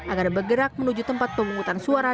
agar bergerak menuju tempat pemungutan suara